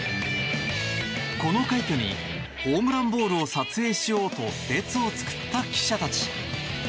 この快挙にホームランボールを撮影しようと列を作った記者たち。